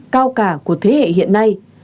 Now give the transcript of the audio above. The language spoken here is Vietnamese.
cao cả của thế hệ hiện nay